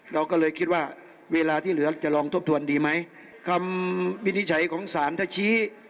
เราก็เลยคิดว่าเวลาที่เหลือจะลองทบทวนดีไหมคำวินิจฉัยของศาลถ้าชี้